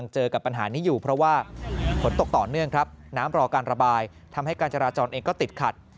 เจอกับปัญหานี้อยู่เพราะว่าฝนตกต่อเนื่องครับน้ำรอการระบายทำให้การจราจรเองก็ติดขัด